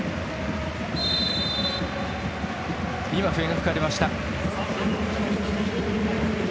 笛が吹かれました。